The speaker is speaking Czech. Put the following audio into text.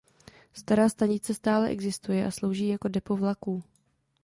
Stará stanice stále existuje a slouží jako depo vlaků.